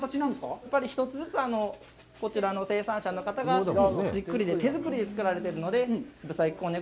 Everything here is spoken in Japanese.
やっぱり１つずつこちらの生産者の方が、じっくり、手作りで作られているので、ぶさいく